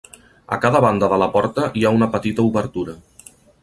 A cada banda de la porta hi ha una petita obertura.